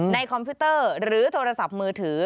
คอมพิวเตอร์หรือโทรศัพท์มือถือ